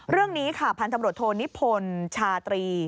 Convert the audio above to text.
เรื่องนี้ค่ะพันธุ์ตำรวจโทนิพลชาตรี